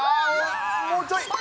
もうちょい！